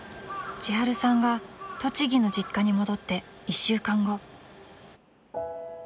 ［ちはるさんが栃木の実家に戻って１週間後］